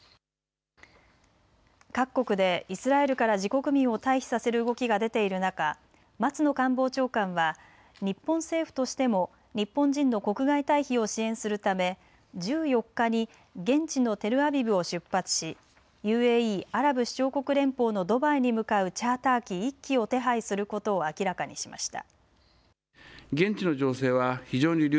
各国でイスラエルから自国民を退避させる動きが出ている中、松野官房長官は日本政府としても日本人の国外退避を支援するため１４日に現地のテルアビブを出発しＵＡＥ・アラブ首長国連邦のドバイに向かうチャーター機１機を手配することを明らかにしました。